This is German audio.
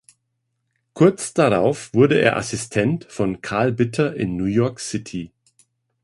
Kurz darauf wurde er Assistent von Karl Bitter in New York City.